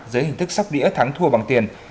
dưới hình thức sóc đĩa thắng thua bằng tiền